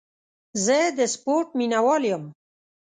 زه د سپورټ مینهوال یم.